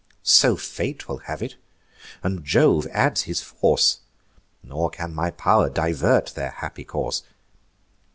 So Fate will have it, and Jove adds his force; Nor can my pow'r divert their happy course.